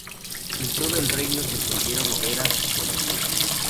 En todo el reino se encendieron hogueras de alegría.